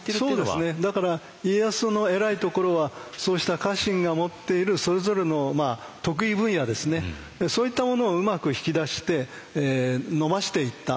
そうですねだから家康の偉いところはそうした家臣が持っているそれぞれの得意分野ですねそういったものをうまく引き出して伸ばしていった。